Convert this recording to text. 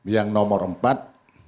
yang nomor empat